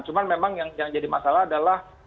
cuma memang yang jadi masalah adalah